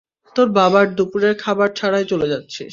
তোর বাবার দুপুরের খাবার ছাড়াই চলে যাচ্ছিস।